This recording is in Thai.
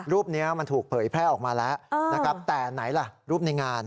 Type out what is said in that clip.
รูปนี้มันถูกเผยแพร่ออกมาแล้วนะครับแต่ไหนล่ะรูปในงาน